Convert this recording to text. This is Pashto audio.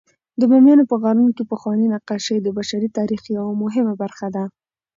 د بامیانو په غارونو کې پخواني نقاشۍ د بشري تاریخ یوه مهمه برخه ده.